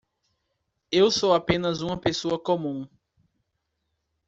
Eu sou apenas uma pessoa comum